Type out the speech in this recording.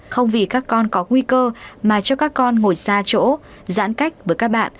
không vì các con có nguy cơ mà cho các con ngồi xa chỗ giãn cách với các bạn